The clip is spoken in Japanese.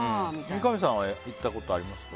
三上さんは行ったことありますか？